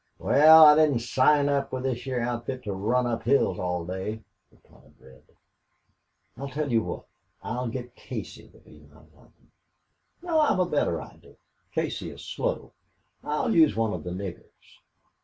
"Wal, I didn't sign up with this heah outfit to run up hills all day," replied Red. "I'll tell you what. I'll get Casey to be my lineman. No, I've a better idea. Casey is slow, too. I'll use one of the niggers."